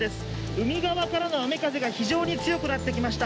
海側からの雨・風が非常に強くなってきました。